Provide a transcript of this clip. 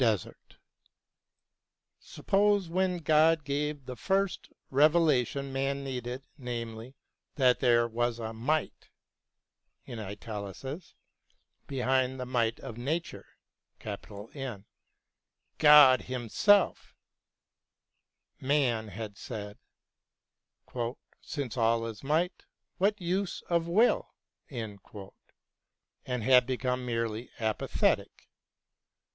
t Suppose when God gave the first revelation man needed — ^namely, that there was a Might behind the might of Nature, God Himself — man had said, " Since all is might, what use of will ?" and had become merely apathetic.